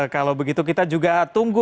kalau begitu kita juga tunggu